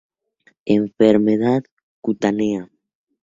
Enfermedad cutánea